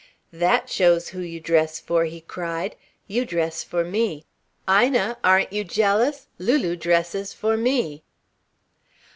"That shows who you dress for!" he cried. "You dress for me; Ina, aren't you jealous? Lulu dresses for me!"